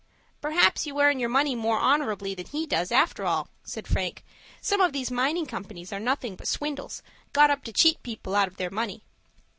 "Perhaps you earn your money more honorably than he does, after all," said Frank. "Some of these mining companies are nothing but swindles, got up to cheat people out of their money."